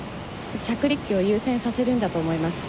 着陸機を優先させるんだと思います。